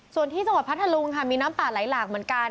ส่วนที่จังหวัดพัทธลุงค่ะมีน้ำป่าไหลหลากเหมือนกัน